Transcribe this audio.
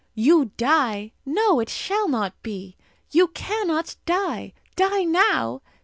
You die! No; it shall not be! You cannot die! Die now!